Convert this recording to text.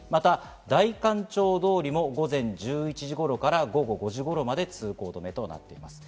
代官町通りも午前１１時頃から午後５時頃まで通行止めとなっています。